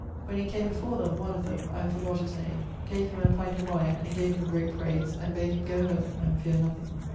When he came before them, one of them (I have forgot his name) gave him a pint of wine, and gave him great prayse, and bade him goe home, and feare nothing.